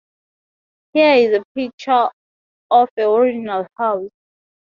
Here is a picture of the original House.